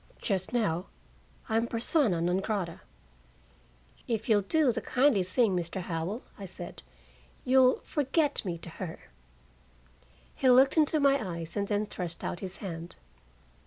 Just now I'm persona non grata." "If you'll do the kindly thing, Mr. Howell," I said, "you'll forget me to her." He looked into my eyes and then thrust out his hand.